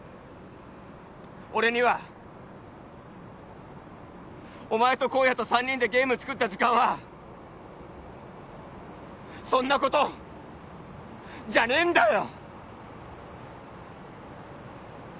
俺にはお前と公哉と三人でゲーム作った時間はそんなことじゃねえんだよ！